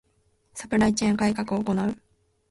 ⅱ サプライチェーン改革を行う